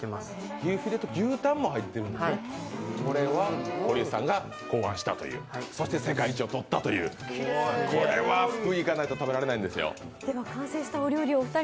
牛フィレと牛タンも入ってる、これは堀内さんが考案したという、そして世界一をとったという、これは福井に行かないと食べられないですよ。